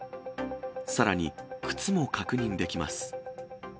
さらに、靴も確認できます。